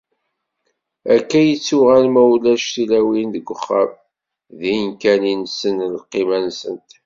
Akka i yettuɣal ma ulac tilawin deg uxxam, din kan i nessen lqima-nsent!